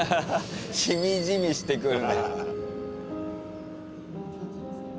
しみじみしてくる。